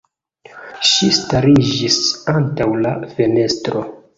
Ŝi stariĝis antaŭ la fenestro.